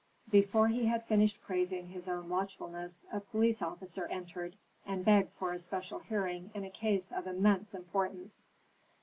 Before he had finished praising his own watchfulness, a police officer entered, and begged for a special hearing in a case of immense importance.